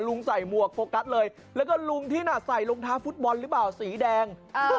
ลุงใส่หมวกโฟกัสเลยแล้วก็ลุงที่น่าใส่ลงท้าฟุตบอลสีแดง